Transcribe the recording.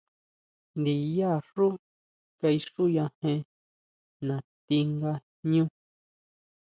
Ndiyá xú kaixuyajen natí nga jñú.